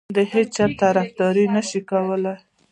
د هیچا طرفداري نه شي کولای.